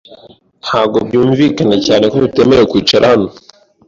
Ntabwo byumvikana cyane ko tutemerewe kwicara hano.